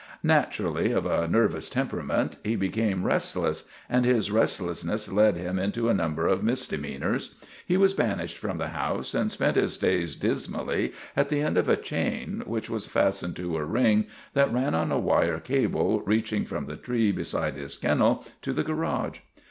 Naturally of a nervous temperament he became restless, and his restlessness led him into a number of misdemeanors. He was banished from the house and spent his days dismally at the end of a chain which was fastened to a ring that ran on a wire cable reaching from the tree beside his kennel to the garage.